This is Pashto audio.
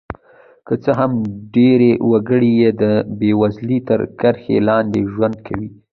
که څه هم ډېری وګړي یې د بېوزلۍ تر کرښې لاندې ژوند کوي.